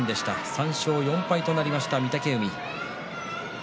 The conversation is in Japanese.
３勝４敗としました御嶽海。